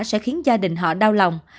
sẽ khiến gia đình họ đau lòng